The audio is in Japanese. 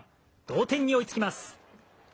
同点に追いつきます。